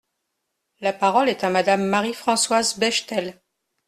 La parole est à Madame Marie-Françoise Bechtel.